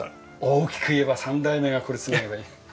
大きく言えば３代目がこれ継げばいい。